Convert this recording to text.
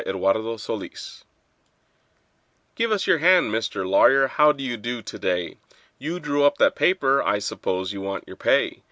HOW BETSY AND I MADE UP GIVE us your hand, Mr. Lawyer: how do you do to day? You drew up that paper—I s'pose you want your pay.